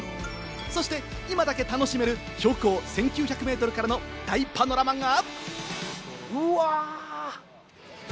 そして今だけ楽しめる、標高１９００ｍからの大パノラマが！